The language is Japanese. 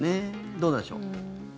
どうでしょう？